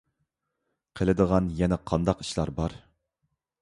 قىلىدىغان يەنە قانداق ئىشلار بار؟